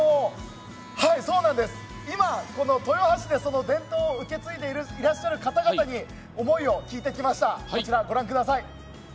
今、この豊橋でその伝統を受け継いでいらっしゃる方々に思いを聞いてきました。